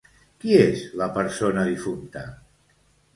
Qui és la persona difunta?